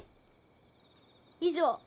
以上。